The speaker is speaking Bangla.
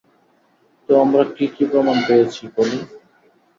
তো আমরা কী কী প্রমাণ পেয়েছি, পলি?